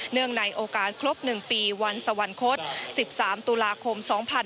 เนื่องในโอกาสครบหนึ่งปีวันสวรรคต๑๓ตุลาคม๒๕๖๐